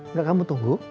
udah kamu tunggu